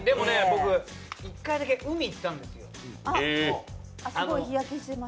僕、一回だけ海行ったんですよ。